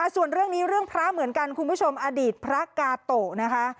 ส่วนเรื่องนี้เรื่องพระเหมือนกันคุณผู้ชมอดีตพระกาโตะนะคะ